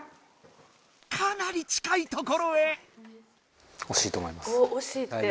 かなり近いところへ！